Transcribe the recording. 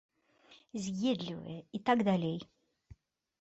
З'едлівыя і так далей.